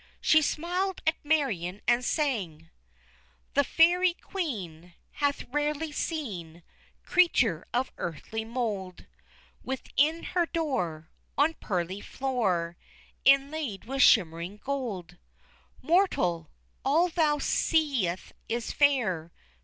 She smiled at Marion and sang: "_The Fairy Queen Hath rarely seen Creature of earthly mould Within her door On pearly floor Inlaid with shining gold! Mortal, all thou seest is fair!